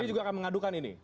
pdi juga akan mengadukan ini